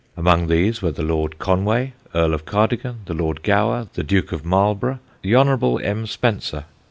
Among these were the Lord CONWAY, Earl of CARDIGAN, the Lord GOWER, the Duke of MARLBOROUGH, the Hon. M. SPENCER.